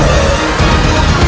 pasal oh prominet